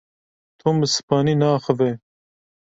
Tom bi Spanî naaxive.